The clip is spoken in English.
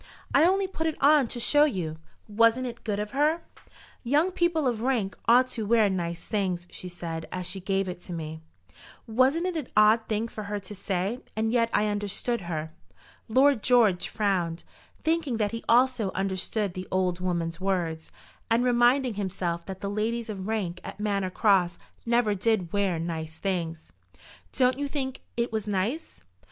"I only put it on to show you. Wasn't it good of her? 'Young people of rank ought to wear nice things,' she said, as she gave it me. Wasn't it an odd thing for her to say? and yet I understood her." Lord George frowned, thinking that he also understood the old woman's words, and reminding himself that the ladies of rank at Manor Cross never did wear nice things. "Don't you think it was nice?"